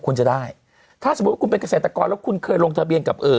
คุณจะได้ถ้าสมมุติคุณเป็นเกษตรกรแล้วคุณเคยลงทะเบียนกับเอ่อ